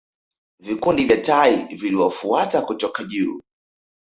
Vikundi vya tai viliwafuata kutoka juu